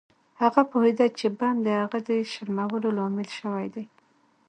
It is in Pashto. هغه پوهیده چې بم د هغه د شرمولو لامل شوی دی